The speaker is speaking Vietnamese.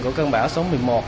của cơn bão số một mươi một